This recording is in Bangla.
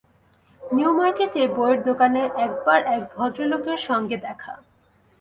নিউমার্কেটে বইয়ের দোকানে এক বার এক ভদ্রলোকের সঙ্গে দেখা!